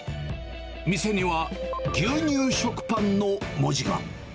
店には牛乳食パンの文字が。